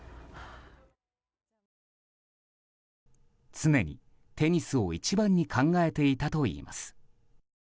常にテニスを一番に考えていたといいます。